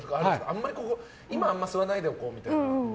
あんまり今吸わないでおこうみたいな。